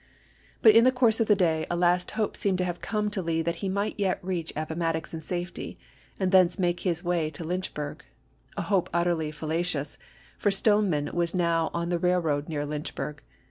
But in the course of the day a last hope seemed to have come to Lee that he might yet reach Appo mattox in safety and thence make his way to Lynchburg — a hope utterly fallacious, for Stone man was now on the railroad near Lynchburg.